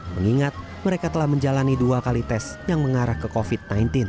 mengingat mereka telah menjalani dua kali tes yang mengarah ke covid sembilan belas